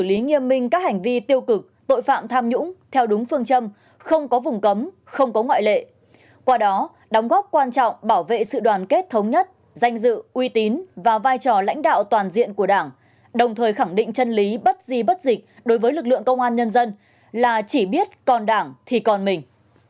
xử lý nghiêm minh các hành vi tiêu cực tội phạm tham nhũng theo đúng phương châm không có vùng cấm không có ngoại lệ qua đó đóng góp quan trọng bảo vệ sự đoàn kết thống nhất danh dự uy tín và vai trò lãnh đạo toàn diện của đảng đồng thời khẳng định chân lý bất di bất dịch đối với lực lượng công an nhân dân là chỉ biết còn đảng thì còn mình